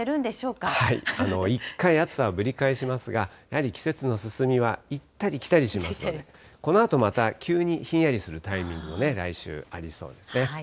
一回、暑さはぶり返しますが、やはり季節の進みは行ったり来たりしますので、このあと、また急にひんやりするタイミングも来週、ありそうですね。